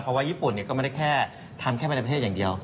เพราะว่าญี่ปุ่นก็ไม่ได้แค่ทำแค่ไปในประเทศอย่างเดียว